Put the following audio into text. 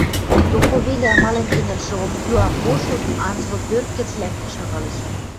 Токо веле амален кӹньӹлшӹ омъюа Кошут анзыл пӧрт гӹц лӓктӹн шагалеш.